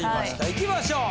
いきましょう。